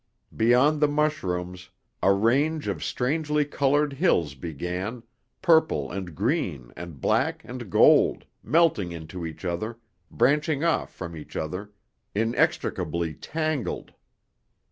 Beyond the mushrooms a range of strangely colored hills began, purple and green and black and gold, melting into each other, branching off from each other, inextricably tangled.